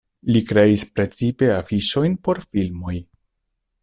Li kreis precipe afiŝojn por filmoj.